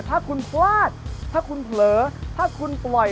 ถ้าคุณพลาดถ้าคุณเผลอถ้าคุณป่วย